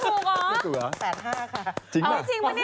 จริงล่ะค่ะจริงว่าเนี่ย